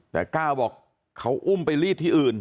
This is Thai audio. แต่ก้าวบอกเขาอุ้มไปรีดที่อื่น